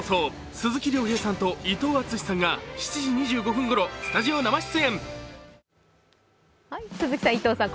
鈴木亮平さんと伊藤淳史さんが７時２５分ごろ、スタジオ生出演！